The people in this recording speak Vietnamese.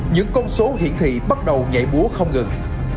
những con số hiển thị bắt đầu nhảy búa không ngừng